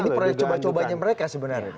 ini percobaan cobanya mereka sebenarnya